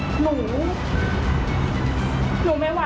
มีความรู้สึกว่ามีความรู้สึกว่า